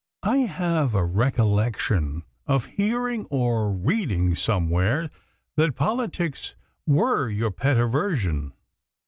I have a recollection of hearing or reading somewhere that politics were your pet aversion."